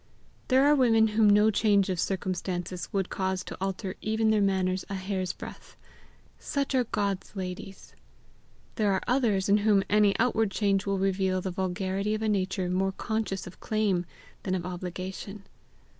There are women whom no change of circumstances would cause to alter even their manners a hair's breadth: such are God's ladies; there are others in whom any outward change will reveal the vulgarity of a nature more conscious of claim than of obligation.